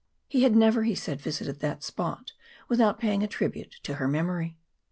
He had never, he said, visited that spot without paying a tribute to her memory.